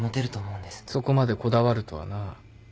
そこまでこだわるとはなあ。